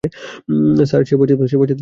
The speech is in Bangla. স্যার, সে বাচ্চাদের গুলি করবে না।